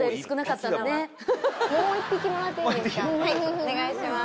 お願いします。